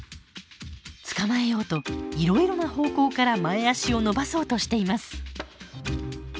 捕まえようといろいろな方向から前足を伸ばそうとしています。